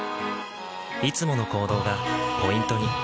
いつもの行動がポイントに。